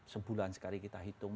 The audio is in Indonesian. sebulan sekali kita hitung